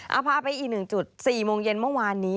เอาพาไปอีก๑จุด๔โมงเย็นเมื่อวานนี้